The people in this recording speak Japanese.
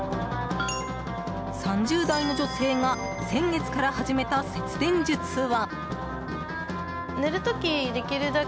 ３０代の女性が先月から始めた節電術は。